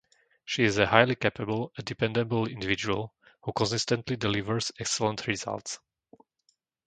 She is a highly capable and dependable individual who consistently delivers excellent results.